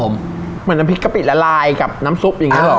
เหมือนน้ำพริกกะปิละลายกับน้ำซุปอย่างนี้หรอ